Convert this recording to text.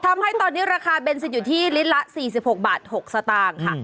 ทำให้ตอนนี้ราคาเบนซินอยู่ที่ลิตรละ๔๖บาท๖สตางค์ค่ะ